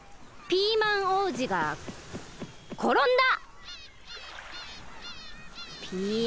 ピーマン王子がころんだ！